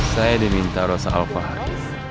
saya diminta rosa alva haris